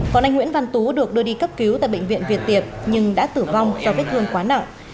còn anh nguyễn văn tú được đưa đi cấp cứu tại bệnh viện việt tiệp nhưng đã tử vong do vết thương quá nặng